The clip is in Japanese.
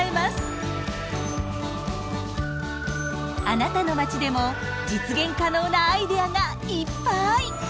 あなたの町でも実現可能なアイデアがいっぱい！